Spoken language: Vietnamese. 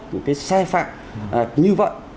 những cái sai phạm như vậy